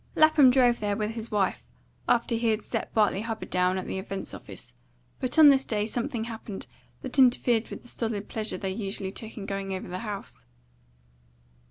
Lapham drove there with his wife after he had set Bartley Hubbard down at the Events office, but on this day something happened that interfered with the solid pleasure they usually took in going over the house.